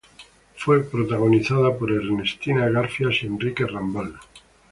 Fue protagonizada por Ernestina Garfias y Enrique Rambal.